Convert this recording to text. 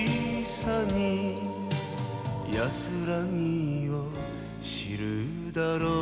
「やすらぎを知るだろう」